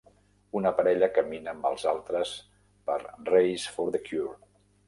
Una parella camina amb els altres per Race for the Cure.